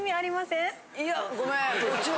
いやごめん。